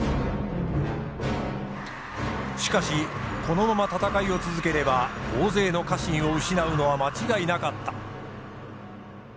しかしこのまま戦いを続ければ大勢の家臣を失うのは間違いなかった。